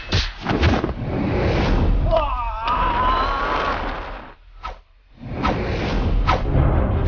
harta penduduk yang kalian jarah